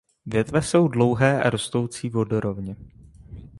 Větve jsou dlouhé a rostoucí vodorovně.